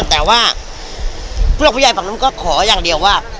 แต่ว่าผู้หลักผู้ใหญ่ฝั่งนู้นก็ขออย่างเดียวว่า